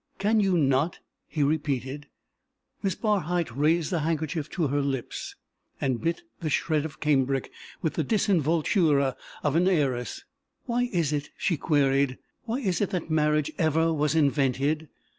"Can you not?" he repeated. Miss Barhyte raised a handkerchief to her lips and bit the shred of cambric with the disinvoltura of an heiress. "Why is it," she queried, "why is it that marriage ever was invented?